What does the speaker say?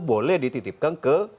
boleh dititipkan ke